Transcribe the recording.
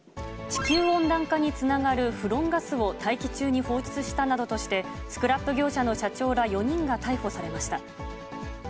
地球温暖化につながるフロンガスを大気中に放出したなどとして、スクラップ業者の社長ら４人が逮捕されました。